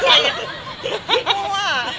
ที่กลัว